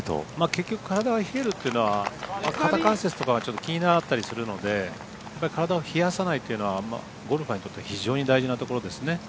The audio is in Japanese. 結局、体が冷えるというのは肩関節とかがちょっと気になったりするので体を冷やさないというのはゴルファーにとっては非常に大事なところですね。